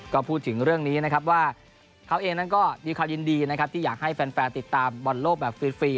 ก็พูดถึงเรื่องนี้นะครับว่าเขาเองนั้นก็มีความยินดีนะครับที่อยากให้แฟนติดตามบอลโลกแบบฟรี